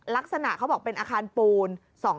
ลักษณะเขาบอกเป็นอาคารปูน